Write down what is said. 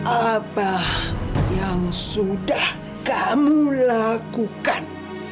apa yang sudah kamu lakukan